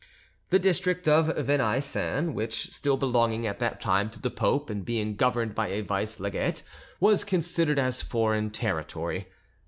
The district of Venaissin, still belonging at that time to the pope and being governed by a vice legate, was considered as foreign territory.